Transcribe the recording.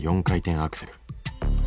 ４回転アクセル。